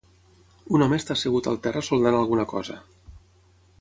Un home està assegut al terra soldant alguna cosa.